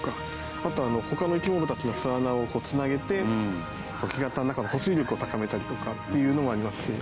あとは他の生き物たちの巣穴をつなげて干潟の中の保水力を高めたりもありますし。